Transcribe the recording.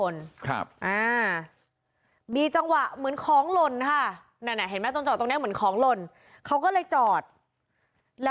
ล่ะล่ะล่ะล่ะล่ะล่ะล่ะล่ะล่ะล่ะล่ะล่ะล่ะล่ะล่ะล่ะล่ะ